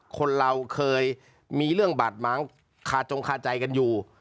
คนเราเคยมีเรื่องบาดม้างคาจงคาใจกันอยู่